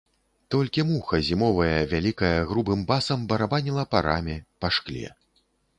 Толькі муха, зімовая, вялікая, грубым басам барабаніла па раме, па шкле.